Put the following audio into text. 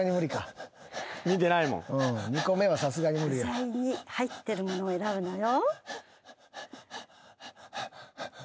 具材に入ってるものを選ぶのよ。